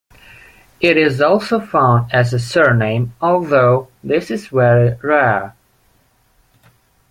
It is also found as a surname, although this is very rare.